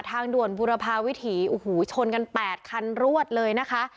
ทางด่วนบุรพาวิถีโอ้โหชนกัน๘คันรวดเลยนะคะ